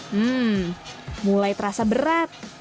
hmm mulai terasa berat